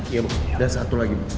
iya ada satu lagi